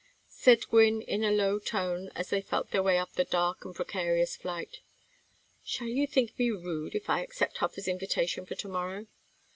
Said Gwynne in a low tone as they felt their way up the dark and precarious flight: "Shall you think me rude if I accept Hofer's invitation for to morrow?